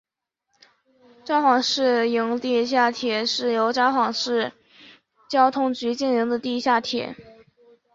札幌市营地下铁是由札幌市交通局经营的地下铁。